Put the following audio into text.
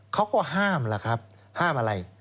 เขาก็ห้ามล่ะครับห้ามอะไร